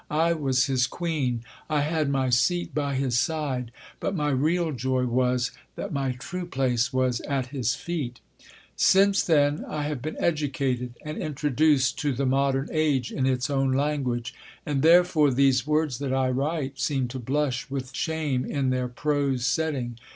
I was his queen. I had my seat by his side. But my real joy was, that my true place was at his feet. Since then, I have been educated, and introduced to the modern age in its own language, and therefore these words that I write seem to blush with shame in their prose setting.